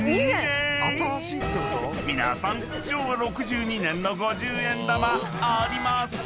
［皆さん昭和６２年の五十円玉ありますか？］